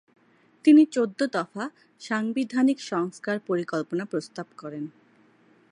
তিনি চৌদ্দ দফা সাংবিধানিক সংস্কার পরিকল্পনা প্রস্তাব করেন।